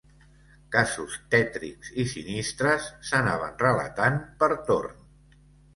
Casos tètrics i sinistres s'anaven relatant per torn